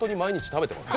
食べてます！